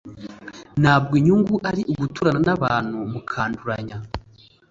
ntabwo inyungu ari uguturana n’abantu mukanduranya